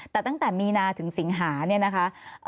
แต่ตั้งแต่มีนาถึงสิงหาเนี่ยนะคะ